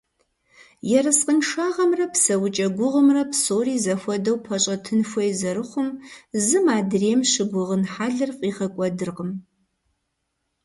Ерыскъыншагъэмрэ псэукӏэ гугъумрэ псори зэхуэдэу пэщӏэтын хуей зэрыхъум зым адрейм щыгугъын хьэлыр фӏигъэкӏуэдыркъым.